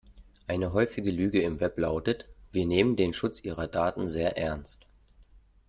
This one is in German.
Eine häufige Lüge im Web lautet: Wir nehmen den Schutz Ihrer Daten sehr ernst.